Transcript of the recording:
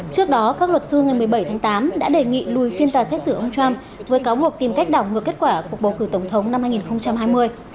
trước đó các luật sư ngày một mươi bảy tháng tám đã đề nghị lùi phiên tòa xét xử ông trump với cáo buộc tìm cách đảo ngược kết quả cuộc bầu cử tổng thống năm hai nghìn hai mươi